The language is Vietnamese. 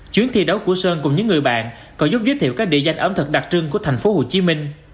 chuyến thi đấu của sơn cùng những người bạn còn giúp giới thiệu các địa danh ẩm thực đặc trưng của thành phố hồ chí minh